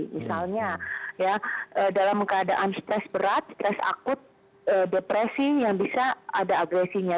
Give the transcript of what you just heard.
misalnya ya dalam keadaan stres berat stres akut depresi yang bisa ada agresinya